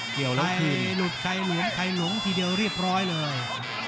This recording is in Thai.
ไก่หลุดไก่หลุมไก่หลงทีเดียวเรียบร้อยเลย